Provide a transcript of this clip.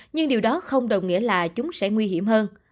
nhưng điều đó không đồng nghĩa là chúng sẽ nguy hiểm hơn